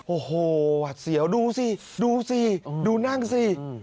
โอ้โหดูสิดูนั่งสิ